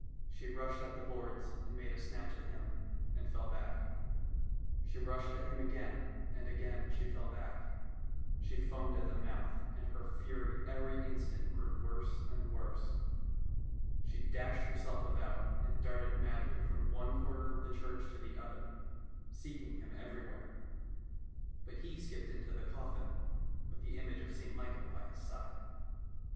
She rushed at the boards and made a snatch at him, and fell back ; she rushed at him again, and again she fell back. She foamed at the mouth, and her fury every instant grew worse and worse. She dashed herself about, and darted madly from one corner of the church to the other, seeking him everywhere. But he skipped into the coffin, with the image of St Michael by his side.